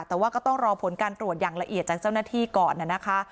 แต่ว่าก็ต้องรอผลการตรวจอย่างละเอียดจากเจ้าหน้าที่ก่อนนะคะ